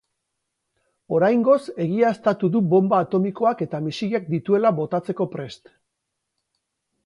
Oraingoz egiaztatu du bonba atomikoak eta misilak dituela botatzeko prest.